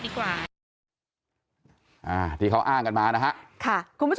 ดีกว่าที่เขาอ้างกันมานะฮะค่ะ